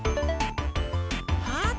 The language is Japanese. ハート！